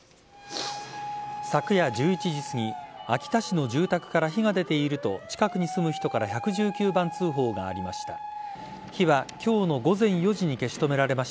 昨夜１１時すぎ秋田市の住宅から火が出ていると近くに住む人から１１９番通報がありました。